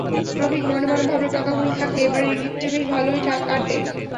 রফিক মনে মনে ভাবল, টাকাগুলো থাকলে এবারের ঈদটা বেশ ভালোই কাটবে।